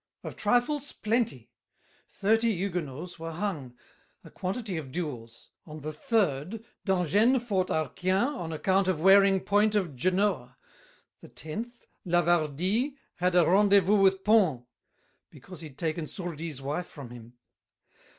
Of trifles, plenty—thirty Huguenots Were hung; a quantity of duels. On The third, D'Angennes fought Arquien on account Of wearing point of Genoa; the tenth, Lavardie had a rendezvous with Pons, Because he'd taken Sourdis' wife from him.